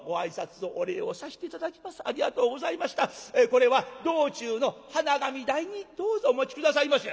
これは道中の鼻紙代にどうぞお持ち下さいませ」。